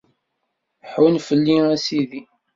Ḥunn fell-i, a Sidi.